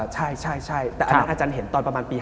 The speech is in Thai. ใช่แต่อาจารย์เห็นตอนประมาณปี๑๙๕๑